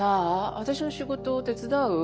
私の仕事手伝う？